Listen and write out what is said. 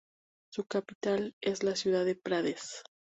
Su capital es la ciudad de Prades.